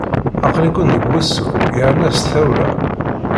Aql-iken deg wusu yerna s tawla.